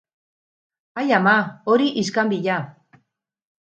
Ai ama, hori iskanbila!